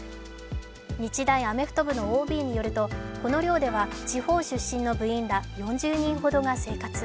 日大アメフト部のＯＢによると、この寮では、地方出身の部員ら４０人ほどが生活。